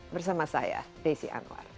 bersama saya desi anwar